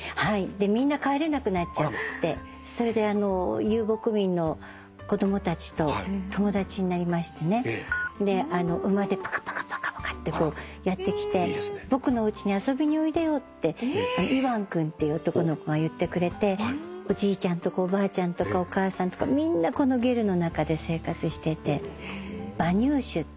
でみんな帰れなくなっちゃってそれで遊牧民の子供たちと友達になりましてねで馬でパカパカパカパカってやって来て「僕のおうちに遊びにおいでよ」ってイワン君っていう男の子が言ってくれておじいちゃんとかおばあちゃんとかお母さんとかみんなこのゲルの中で生活してて馬乳酒っていうのをね